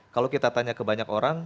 kalau kita tanya ke banyak orang